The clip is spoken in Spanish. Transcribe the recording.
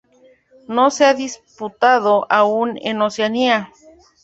No se ha disputado aún en Oceanía.